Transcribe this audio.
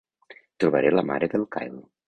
Trobaré la mare del Kyle.